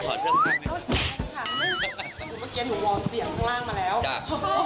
ตอนนี้ถวัลเสียงข้างล่างมาแล้วจ้า